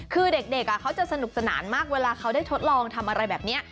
คือเด็กเขาจะสนุกสนานมากเวลาเขาได้ทดลองทำอะไรแบบนี้